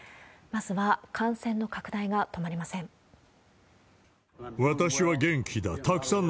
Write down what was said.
まずは、感染の拡大が止まりません。